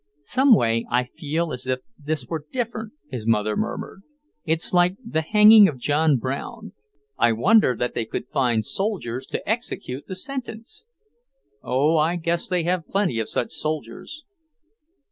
"Someway I feel as if this were different," his mother murmured. "It's like the hanging of John Brown. I wonder they could find soldiers to execute the sentence." "Oh, I guess they have plenty of such soldiers!"